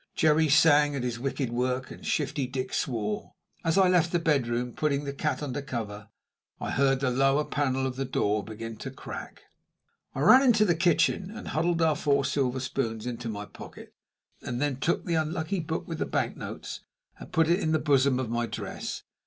Jerry sang at his wicked work, and Shifty Dick swore. As I left the bedroom after putting the cat under cover, I heard the lower panel of the door begin to crack. I ran into the kitchen and huddled our four silver spoons into my pocket; then took the unlucky book with the bank notes and put it in the bosom of my dress.